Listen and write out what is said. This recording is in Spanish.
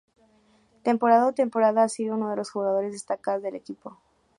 Temporada a temporada ha sido una de las jugadoras destacadas del equipo.